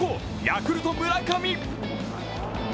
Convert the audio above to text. ヤクルト・村上。